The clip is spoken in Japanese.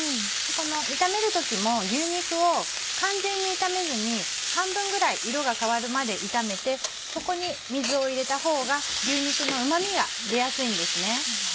炒める時も牛肉を完全に炒めずに半分ぐらい色が変わるまで炒めてそこに水を入れたほうが牛肉のうま味が出やすいんです。